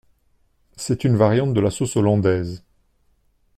C'est une variante de la sauce hollandaise.